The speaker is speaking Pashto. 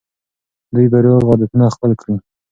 دوی به روغ عادتونه خپل کړي.